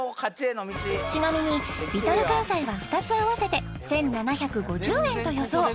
ちなみにＬｉｌかんさいは２つ合わせて１７５０円と予想